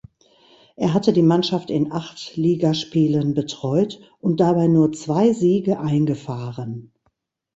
Er hatte die Mannschaft in acht Ligaspielen betreut und dabei nur zwei Siege eingefahren.